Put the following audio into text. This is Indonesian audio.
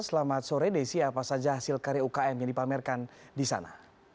selamat sore desi apa saja hasil karya ukm yang dipamerkan di sana